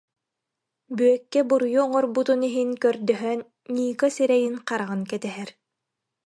Бүөккэ буруйу оҥорбутун иһин көрдөһөн Ника сирэйин-хараҕын кэтэһэр